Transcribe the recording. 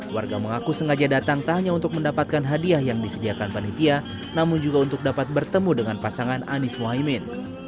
warga mengaku sengaja datang tak hanya untuk mendapatkan hadiah yang disediakan panitia namun juga untuk dapat bertemu dengan pasangan anies mohaimin